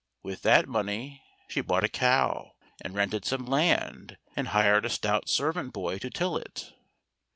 With that money she bought a cow, and rented some land, and hired a stout .servant boy to till it.